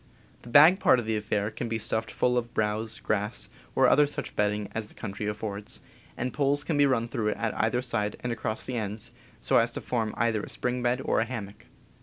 The bag part of the affair can be PERSONAL KITS 27 stuffed full of browse, grass, or such other bedding as the country affords; and poles can be run through it at either side, and across the ends, so as to form either a spring bed or a hammock.